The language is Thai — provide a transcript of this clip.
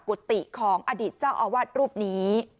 กุฏิของอดีตเจ้าอาวาสรูปนี้